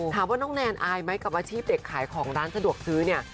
น้องแนนอายไหมกับอาชีพเด็กขายของร้านสะดวกซื้อเนี่ย